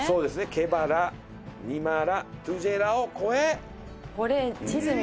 ケバ・ラ、ニマ・ラトゥジェ・ラを越え。